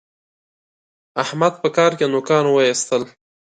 احمد په کار کې نوکان واېستل.